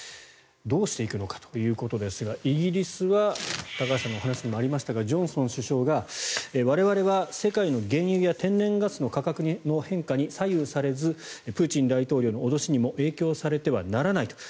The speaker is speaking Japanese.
どうしていくのかということですが、イギリスは高橋さんのお話にもありましたがジョンソン首相が我々は世界の原油や天然ガスの価格の変化に左右されずプーチン大統領の脅しにも影響されてはならないと。